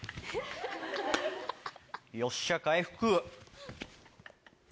よっしゃ回復。